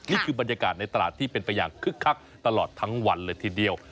นี่คือบรรยากาศในตลาดที่เป็นไปอย่างคึกคักตลอดทั้งวันเลยทีเดียว